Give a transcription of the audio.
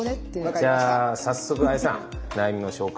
じゃあ早速ＡＩさん悩みの紹介